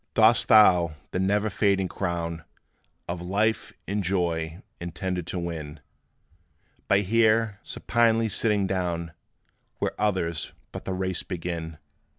Dost thou the never fading crown Of life and joy intend to win, By here supinely sitting down, Where others but the race begin?